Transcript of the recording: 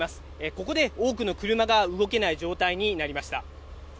ここで多くの車が動けない状態になりました。